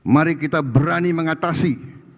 mari kita berani mengatasi